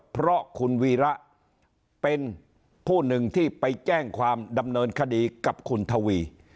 เพราะคุณวีระเป็นผู้หนึ่งที่ไปแจ้งความดำเนินคดีกับคุณทวี